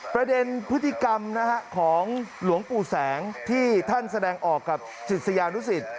ประเด็นพฤติกรรมของหลวงปู่แสงที่ท่านแสดงออกกับศิษยานุสิต